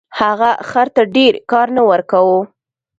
هغه خر ته ډیر کار نه ورکاوه.